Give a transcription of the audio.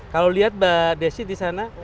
kalau lihat mbak desi di sana